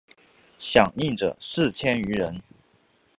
响应者四千余人。